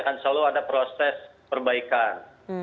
dan selalu ada proses perbaikan